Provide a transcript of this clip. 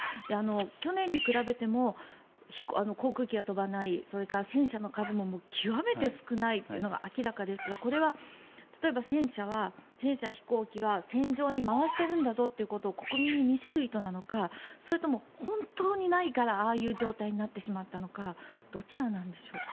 去年に比べても航空機が飛ばないそれから、戦車の数も極めて少ないというのが明らかですがこれは例えば戦車、飛行機は戦場に回してるんだぞってことを国民に見せる意図なのかそれとも本当にないからああいう状態になってしまったのかどちらなんでしょうか。